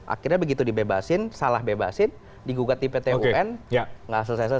akhirnya begitu dibebasin salah bebasin digugat di pt un nggak selesai selesai